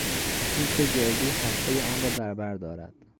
پوست گردو هستهی آنرا در بر دارد.